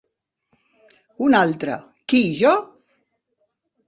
Un altre, qui jo?